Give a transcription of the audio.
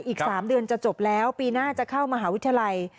อีก๓เดือนจะจบแล้วปีหน้าจะเข้ามหาวิทยาลัย